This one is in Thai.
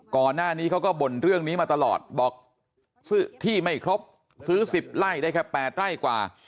ก่อนหน้านี้เขาก็บ่นเรื่องนี้มาตลอดบอกซื้อที่ไม่ครบซื้อ๑๐ไร่ได้แค่๘ไร่กว่า